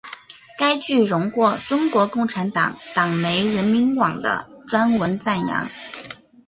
该剧荣获中国共产党党媒人民网的专文赞扬。